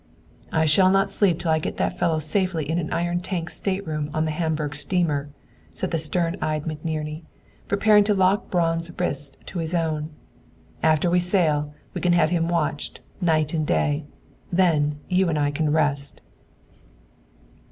"I shall not sleep till I get that fellow safely in an iron tank stateroom on the Hamburg steamer," said the stern eyed McNerney, preparing to lock Braun's wrist to his own. "After we sail, we can have him watched, night and day; then, you and I can rest!"